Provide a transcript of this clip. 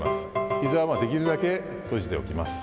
ひざはできるだけ閉じておきます。